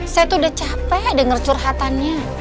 saya tuh udah capek denger curhatannya